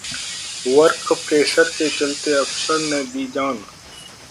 work pressure के चलते अफसर ने दी जान